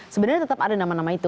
sebenarnya tetap ada nama nama itu